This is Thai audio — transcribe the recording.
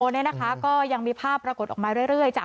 วันนี้ก็ยังมีภาพปรากฏออกมาเรื่อย